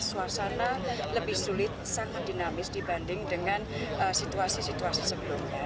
suasana lebih sulit sangat dinamis dibanding dengan situasi situasi sebelumnya